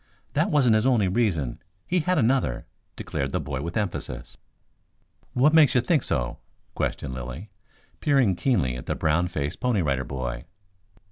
"That wasn't his only reason. He had another," declared the boy with emphasis. "What makes you think so?" questioned Lilly, peering keenly at the brown faced Pony Rider Boy.